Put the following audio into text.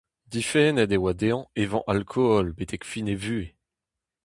Difennet e oa dezhañ evañ alkool betek fin e vuhez.